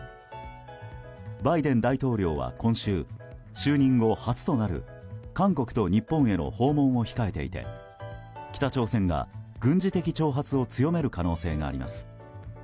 バイデン大統領は今週就任後初となる韓国と日本への訪問を控えていて北朝鮮が軍事的挑発を強める可能性があります。